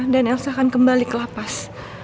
dan elsa akan kembali ke lapas